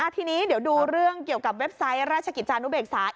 ทีนี้เดี๋ยวดูเรื่องเกี่ยวกับเว็บไซต์